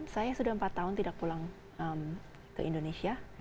saya sudah empat tahun tidak pulang ke indonesia